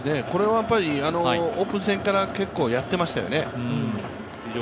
これはオープン戦から結構やってましたよね。